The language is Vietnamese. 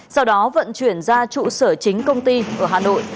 sau đó vận chuyển ra trụ sở chính công ty ở hà nội